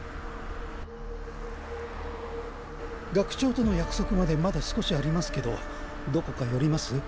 学長との約束までまだ少しありますけどどこか寄ります？